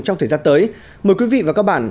trong thời gian tới mời quý vị và các bạn